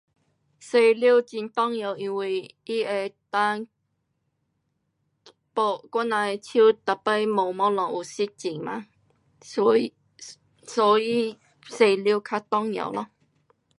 洗手很重要，帮我们俩，我人的手有时摸东西很啊，所以洗手较重要咯。